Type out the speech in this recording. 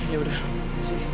ya udah sini